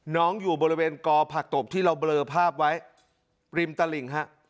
อยู่บริเวณกอผักตบที่เราเบลอภาพไว้ริมตลิ่งฮะ